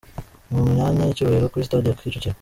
Mu myanya y'icyubahiro kuri sitade ya Kicukiro.